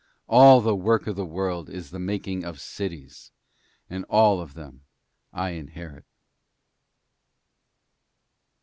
All the Work of the World is the making of cities, and all of them I inherit.'